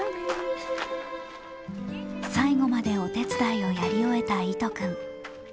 最後までお手伝いをやり終えた、いと君。